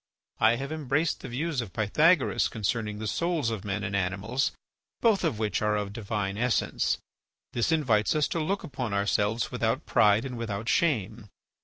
I have embraced the views of Pythagoras concerning the souls of men and animals, both of which are of divine essence; this invites us to look upon ourselves without pride and without shame.